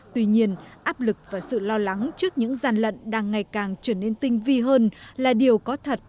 tuy nhiên áp lực và sự lo lắng trước những gian lận đang ngày càng trở nên tinh vi hơn là điều có thật